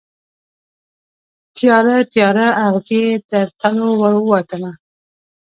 تیاره، تیاره اغزې یې تر تلو ووتله